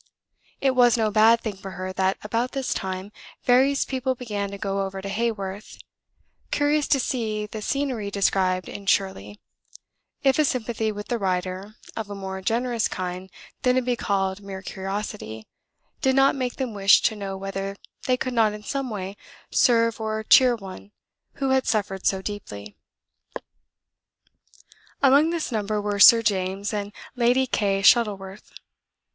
It was no bad thing for her that about this time various people began to go over to Haworth, curious to see the scenery described in "Shirley," if a sympathy with the writer, of a more generous kind than to be called mere curiosity, did not make them wish to know whether they could not in some way serve or cheer one who had suffered so deeply. Among this number were Sir James and Lady Kay Shuttleworth.